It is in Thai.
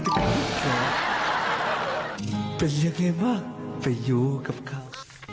ทำไมเป็นกัน